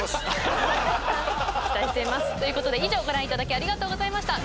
期待していますということで以上ご覧いただきありがとうございました。